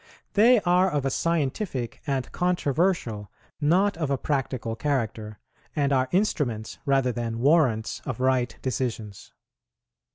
They are of a scientific and controversial, not of a practical character, and are instruments rather than warrants of right decisions.